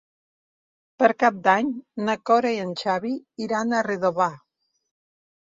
Per Cap d'Any na Cora i en Xavi iran a Redovà.